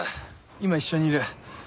今一緒にいる。